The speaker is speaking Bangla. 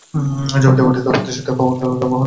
জমিদার বাড়িটি প্রতিষ্ঠিত করেন জমিদার মোহন লাল সাহা।